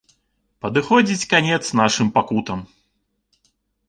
Падыходзіць канец нашым пакутам.